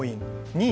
２位